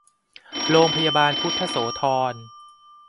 โรงพยาบาลพุทธโสธร